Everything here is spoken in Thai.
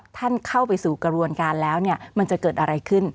ท่านเข้าไปสู่กระบวนการแล้วเนี่ยมันจะเกิดอะไรขึ้น